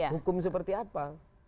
hukum seperti apa